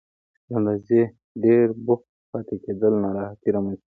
له اندازې ډېر بوخت پاتې کېدل ناراحتي رامنځته کوي.